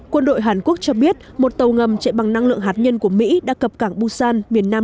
quân đội hàn quốc cho biết một tàu ngầm chạy bằng năng lượng hạt nhân của mỹ đã cập cảng busan miền nam